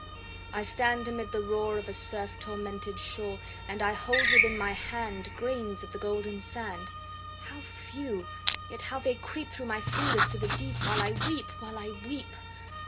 I stand amid the roar Of a surf tormented shore, And I hold within my hand Grains of the golden sand How few! yet how they creep Through my fingers to the deep While I weep while I weep!